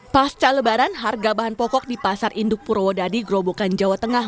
pasca lebaran harga bahan pokok di pasar induk purwodadi grobokan jawa tengah